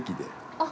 あっ。